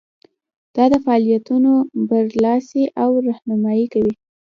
دا د فعالیتونو بررسي او رهنمایي کوي.